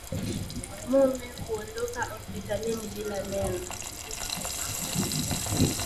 Mume kuondoka hospitalini bila neno